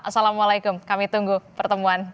assalamualaikum kami tunggu pertemuan